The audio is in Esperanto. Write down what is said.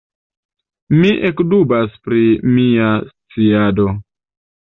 Mi ekdubas pri mia sciado.